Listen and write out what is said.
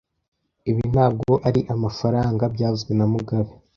Ibi ntabwo ari amafaranga byavuzwe na mugabe